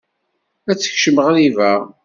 ad tekcem ɣriba.